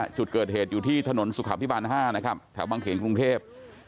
จุดเกิดเหตุอยู่ที่ถนนสุขับที่บาน๕นะครับแถววังเถณค์กรุงเทพ